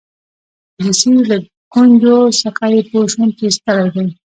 د څېرې له ګونجو څخه يې پوه شوم چي ستړی دی.